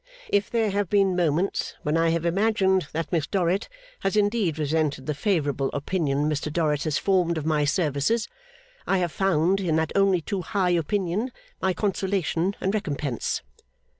If there have been moments when I have imagined that Miss Dorrit has indeed resented the favourable opinion Mr Dorrit has formed of my services, I have found, in that only too high opinion, my consolation and recompense.